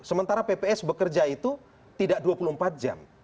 sementara pps bekerja itu tidak dua puluh empat jam